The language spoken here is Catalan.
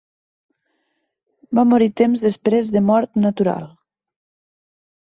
Va morir temps després de mort natural.